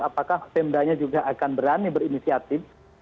apakah pemdanya juga akan berani berinisiatif